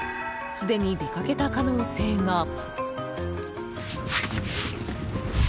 すでに出かけた可能性が。